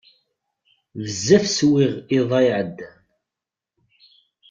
Bezzaf swiɣ iḍ-a iεeddan.